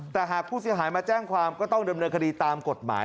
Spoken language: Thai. แต่หากผู้เสียหายมาแจ้งความก็ต้องดำเนินคดีตามกฎหมาย